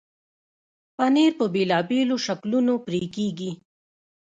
پنېر په بېلابېلو شکلونو پرې کېږي.